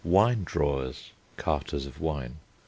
Wine drawers (carters of wine).